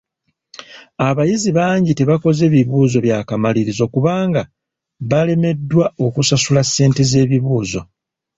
Abayizi bangi tebakoze bibuuzo bya kamalirizo kubanga balemeddwa okusasula ssente z'ebibuuzo.